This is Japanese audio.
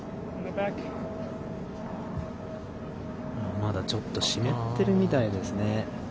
まだちょっと湿ってるみたいですね。